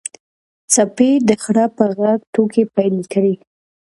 سپي د خره په غږ ټوکې پیل کړې.